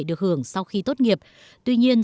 được hưởng sau khi tốt nghiệp tuy nhiên